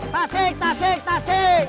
tasik tasik tasik